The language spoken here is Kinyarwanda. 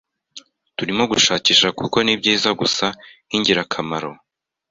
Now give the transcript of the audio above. turimo gushakisha kuko nibyiza gusa nkingirakamaro